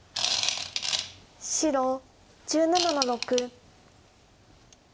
白１７の六。